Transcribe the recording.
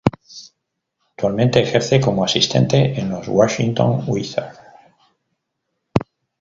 Actualmente ejerce como asistente en los Washington Wizards.